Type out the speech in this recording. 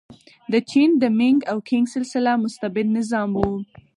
د چین د مینګ او کینګ سلسله مستبد نظام و.